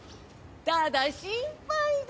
ただ心配で。